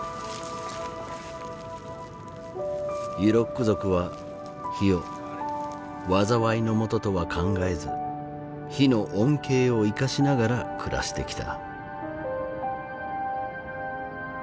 ユロック族は火を災いのもととは考えず火の恩恵を生かしながら暮らしてきた。